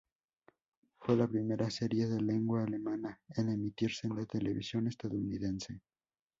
Fue la primera serie de lengua alemana en emitirse en la televisión estadounidense.